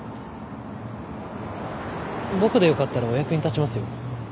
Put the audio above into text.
僕で良かったらお役に立ちますよ。